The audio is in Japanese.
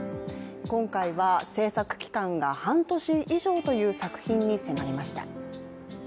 今回は制作期間が半年以上という作品に迫りました。